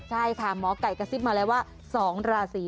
ใช่ค่ะหมอไก่กระซิบมาแล้วว่า๒ราศี